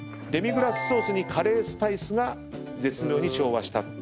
デミグラスソースにカレースパイスが絶妙に調和した。